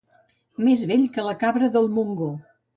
Més vell que la cabra del Montgó.